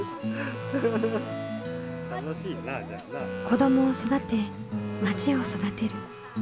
子どもを育てまちを育てる。